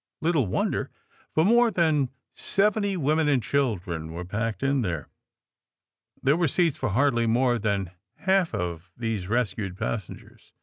Little wonder, for more than seventy women and children were packed in there. There were seats for hardly more than half of these rescued passengers.